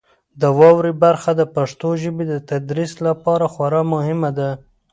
د واورئ برخه د پښتو ژبې د تدریس لپاره خورا مهمه ده.